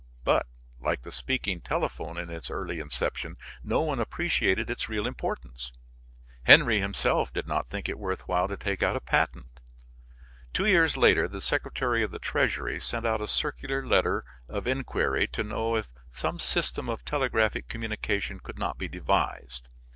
But, like the speaking telephone in its early inception, no one appreciated its real importance. Henry himself did not think it worth while to take out a patent. Two years later the Secretary of the Treasury sent out a circular letter of inquiry to know if some system of telegraphic communication could not be devised.